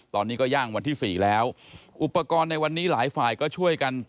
ตอนนี้ก็ย่างวันที่สี่แล้วอุปกรณ์ในวันนี้หลายฝ่ายก็ช่วยกัน